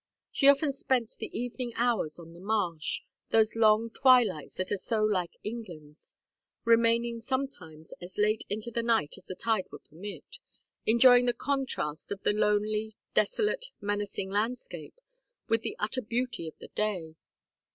She often spent the evening hours on the marsh, those long twilights that are so like England's; remaining, sometimes, as late into the night as the tide would permit, enjoying the contrast of the lonely desolate menacing landscape with the utter beauty of the day.